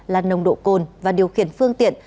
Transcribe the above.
là nồng độ cồn và điều khiển phương tiện